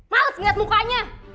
males liat mukanya